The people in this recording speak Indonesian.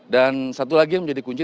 dan satu lagi yang menjadi kunci